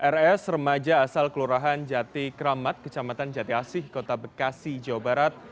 rs remaja asal kelurahan jati kramat kecamatan jati asih kota bekasi jawa barat